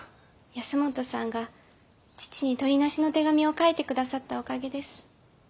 保本さんが父にとりなしの手紙を書いて下さったおかげです。